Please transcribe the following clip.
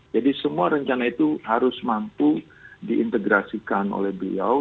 jadi semua rencana itu harus mampu diintegrasikan oleh beliau